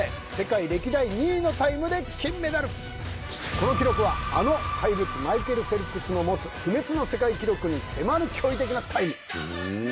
この記録はあの怪物マイケル・フェルプスの持つ不滅の世界記録に迫る驚異的なタイム！